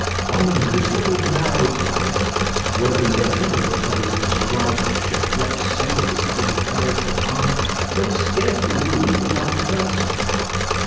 On the miserable narrow height where the legend of the place described the shipwrecked sailor as having perished of hunger, there was scarcely room for one person.